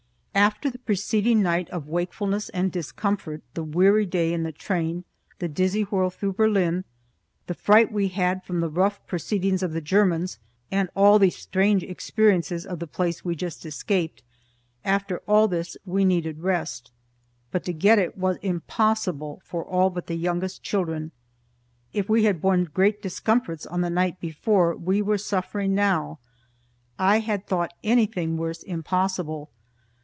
After the preceding night of wakefulness and discomfort, the weary day in the train, the dizzy whirl through Berlin, the fright we had from the rough proceedings of the Germans, and all the strange experiences of the place we just escaped after all this we needed rest. But to get it was impossible for all but the youngest children. If we had borne great discomforts on the night before, we were suffering now. I had thought anything worse impossible.